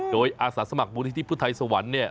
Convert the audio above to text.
โดยอาสาสมัครมูลนิธิพุทธไทยสวรรค์เนี่ย